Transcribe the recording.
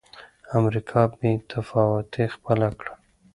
امریکا بې تفاوتي خپله کړه.